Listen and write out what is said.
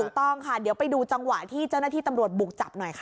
ต้องค่ะเดี๋ยวไปดูจังหวะที่เจ้าหน้าที่ตำรวจบุกจับหน่อยค่ะ